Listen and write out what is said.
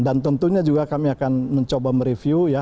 dan tentunya juga kami akan mencoba mereview ya